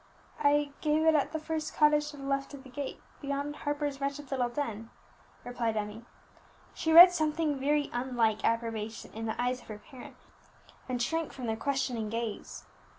"I gave it at the first cottage to the left of the gate, beyond Harper's wretched little den," replied Emmie. She read something very unlike approbation in the eyes of her parent, and shrank from their questioning gaze.